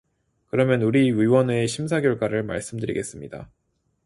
그러면 우리 위원회의 심사 결과를 말씀드리겠습니다.